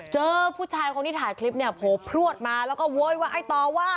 เจอผู้ชายคนที่ถ่ายคลิปผ่วงพลวดมาแล้วก็โว้ยไว้ต่อว่า